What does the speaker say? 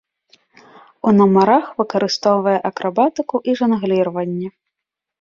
У нумарах выкарыстоўвае акрабатыку і жангліраванне.